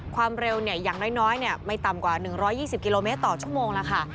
ความเร็วอย่างน้อยไม่ต่ำกว่า๑๒๐กิโลเมตรต่อชั่วโมงแล้วค่ะ